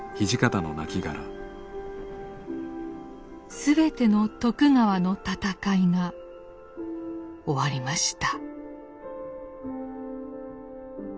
全ての徳川の戦いが終わりました。